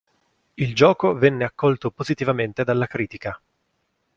Il gioco venne accolto positivamente dalla critica.